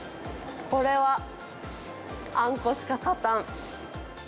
これは、あんこしか勝たん。